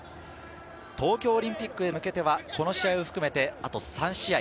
東京オリンピックへ向けてはこの試合を含めてあと３試合。